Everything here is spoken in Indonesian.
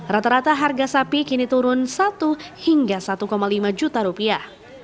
rata rata harga sapi kini turun satu hingga satu lima juta rupiah